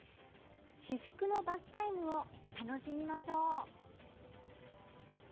至福のバスタイムを楽しみましょう。